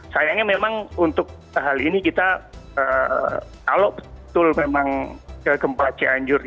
sayangnya memang untuk hal ini kita alok betul memang ke gempa cianjur